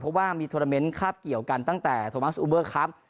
เพราะว่ามีโทรเมนต์คาบเกี่ยวกันตั้งแต่โทมัสอูเบอร์ครับ